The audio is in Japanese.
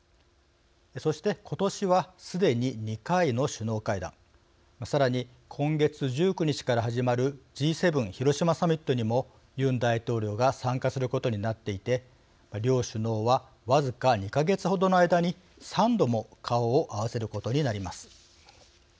そして、今年はすでに２回の首脳会談さらに今月１９日から始まるＧ７広島サミットにもユン大統領が参加することになっていて両首脳は僅か２か月程の間に３度も顔を合わせることになります。